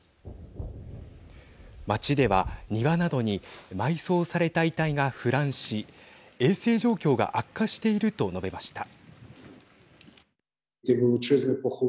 街では庭などに埋葬された遺体が腐乱し衛生状況が悪化していると述べました。